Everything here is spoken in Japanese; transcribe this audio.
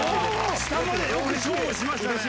下までよく勝負しましたね。